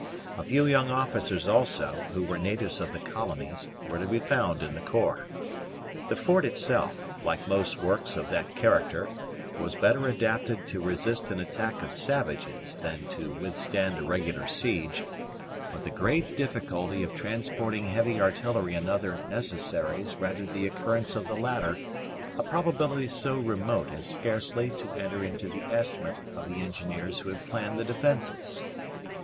A few young officers also, who were natives of the colonies, were to be found in the corps. The fort itself, like most works of that character, was better adapted to resist an attack of savages than to withstand a regular siege; but the great difficulty of transporting heavy artillery and other necessaries rendered the occurrence of the latter a probability so remote as scarcely to enter into the estimate of the engineers who had planned the defences.